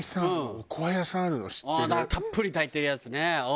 たっぷり炊いてるやつね。